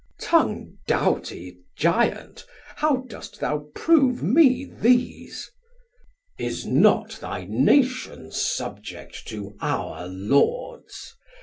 1180 Sam: Tongue doubtie Giant, how dost thou prove me these? Har: Is not thy Nation subject to our Lords?